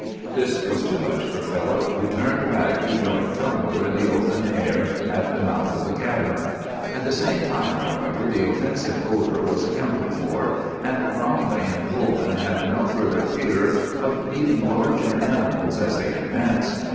This was too much for Philip, who turned back to join Tumbler in the open air at the mouth of the cavern. At the same time, however, the offensive odor was accounted for, and Bromley and Coleman had no further fear of meeting larger animals as they advanced.